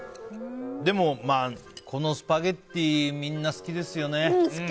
でも、このスパゲッティみんな好きですよね。